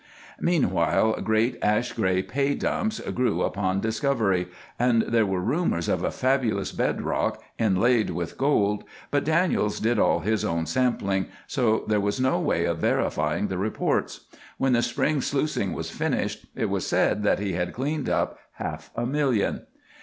Meanwhile great ash gray pay dumps grew upon Discovery, and there were rumors of a fabulous bed rock, inlaid with gold, but Daniels did all his own sampling, so there was no way of verifying the reports. When the spring sluicing was finished it was said that he had cleaned up half a million.